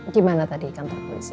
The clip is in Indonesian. gimana tadi kantor polisi